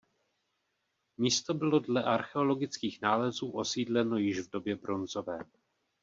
Místo bylo dle archeologických nálezů osídleno již v době bronzové.